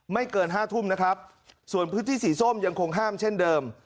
เกินห้าทุ่มนะครับส่วนพื้นที่สีส้มยังคงห้ามเช่นเดิม